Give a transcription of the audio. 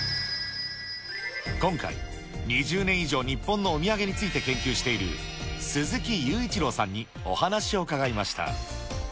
今回、２０年以上、日本のお土産について研究している、鈴木勇一郎さんにお話を伺いました。